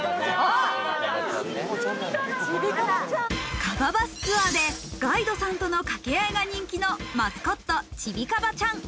ＫＡＢＡバスツアーでガイドさんとの掛け合いが人気のマスコット、ちびカバちゃん。